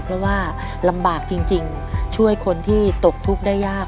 เพราะว่าลำบากจริงช่วยคนที่ตกทุกข์ได้ยาก